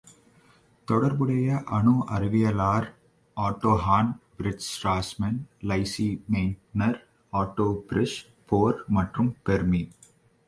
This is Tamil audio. தொடர்புடைய அணு அறிவியலார் Otto Hahn, Fritz Strassmann, Lise Meitner, Otto Frisch, Bohr மற்றும் பெர்மி.